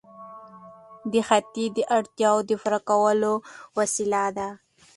دښتې د اړتیاوو د پوره کولو وسیله ده.